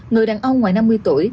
người đàn ông ngoài năm mươi tuổi